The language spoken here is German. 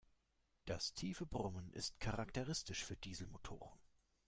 Das tiefe Brummen ist charakteristisch für Dieselmotoren.